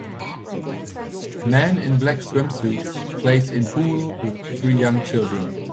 Man in black swimsuit plays in pool with three young children.